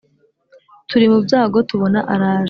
Turi mu byago tubona araje